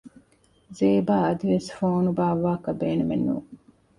ޒޭބާ އަދިވެސް ފޯނު ބާއްވާކަށް ބޭނުމެއް ނޫން